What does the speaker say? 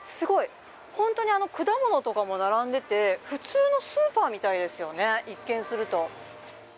果物とかも並んでて、普通のスーパーみたいですよね、一見すると。